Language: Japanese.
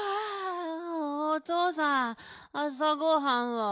おとうさんあさごはんは？